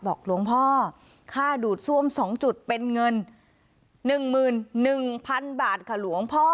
บอกหลวงพ่อค่าดูดซ่วมสองจุดเป็นเงินนึงมืนนึงพันบาทค่ะหลวงพ่อ